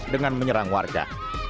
dengan menyerang warga